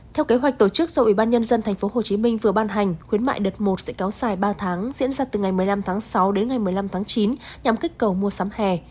theo kế hoạch tổ chức do ủy ban nhân dân tp hcm vừa ban hành khuyến mại đợt một sẽ kéo dài ba tháng diễn ra từ ngày một mươi năm tháng sáu đến ngày một mươi năm tháng chín nhằm kích cầu mua sắm hè